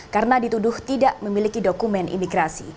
karena dituduh tidak memiliki dokumen imigrasi